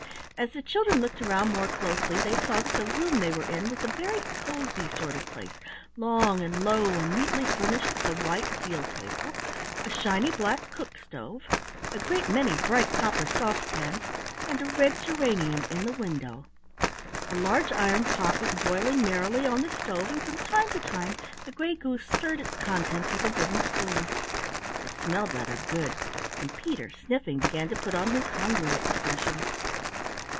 As the children looked around more closely they saw that the room they were in was a very cozy sort of place, long and low and neatly furnished with a white deal table, a shiny black cook stove, a great many bright copper saucepans, and a red geranium in the window. A large iron pot was boiling merrily on the stove and from time to time the Gray Goose stirred its contents with a wooden spoon. It smelled rather good, and Peter, sniffing, began to put on his hungry expression.